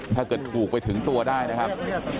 ถ้าเกิดถูกไปถึงตัวได้นะครับ